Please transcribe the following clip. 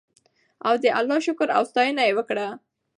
او د الله شکر او ستاینه یې وکړه.